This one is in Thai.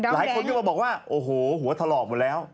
หลายคนก็มาบอกว่าโอ้โหหัวถลอกหมดแล้ว